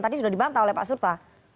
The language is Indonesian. tadi sudah dibantah oleh pak sultan